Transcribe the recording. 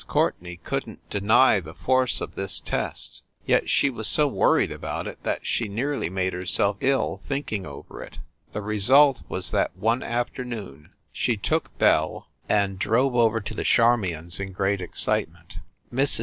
Courtenay couldn t deny the force of this test, yet she was so worried about it that she nearly made herself ill thinking over it. The result was that one afternoon she took Belle and drove over to 336 FIND THE WOMAN the Charmions in great excitement. Mrs.